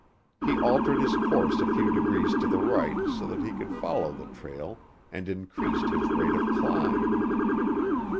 He altered his course a few degrees to the right so that he could follow the trail and increased his rate of climb.